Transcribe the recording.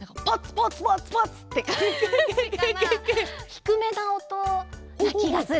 ひくめなおとなきがする！